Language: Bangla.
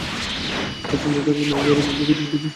এভাবে চলতে থাকলে মাছ ধরা বন্ধ করে অন্য পেশায় নামতে হবে।